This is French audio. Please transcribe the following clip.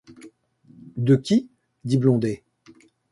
De qui ? dit Blondet.